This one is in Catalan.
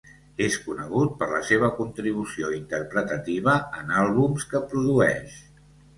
És conegut per la seva contribució interpretativa en àlbums que produeix.